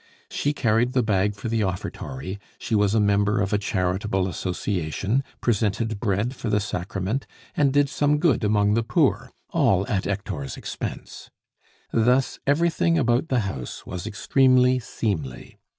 She carried the bag for the offertory, she was a member of a charitable association, presented bread for the sacrament, and did some good among the poor, all at Hector's expense. Thus everything about the house was extremely seemly.